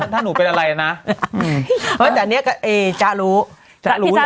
ถ้าหนูเป็นอะไรนะอืมแต่เนี้ยจ้ารู้จ้ารู้แล้วเนอะ